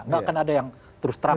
gak akan ada yang terus terang